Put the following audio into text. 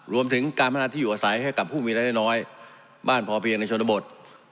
รวมถึงการพัฒนาที่อยู่อาศัยให้กับผู้มีรายได้น้อยบ้านพอเพียงในชนบท